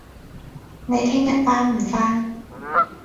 你聽日返唔返